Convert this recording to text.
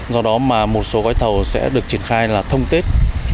do đó mà một số gói thầu sẽ được triển khai là thông tết